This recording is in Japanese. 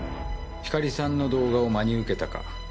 光莉さんの動画を真に受けたか。